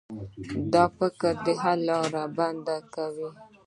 دا فکر د حل لاره بنده کوي.